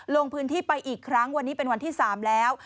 ลงพื้นที่ไปอีกครั้งวันนี้เป็นวันที่๓แล้ว